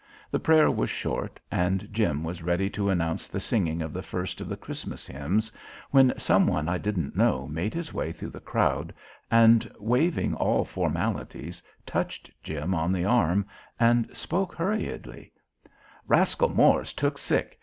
The prayer was short and Jim was ready to announce the singing of the first of the Christmas hymns, when some one I didn't know made his way thru the crowd, and waiving all formalities, touched Jim on the arm and spoke hurriedly: "Rascal Moore's took sick.